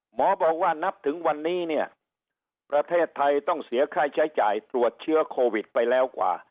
หมอบอกว่านับถึงวันนี้เนี่ยประเทศไทยต้องเสียค่าใช้จ่ายตรวจเชื้อโควิดไปแล้วกว่า